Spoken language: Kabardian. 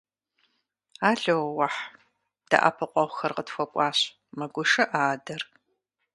– Ало-уэхь, дэӀэпыкъуэгъухэр къытхуэкӀуащ, – мэгушыӀэ адэр.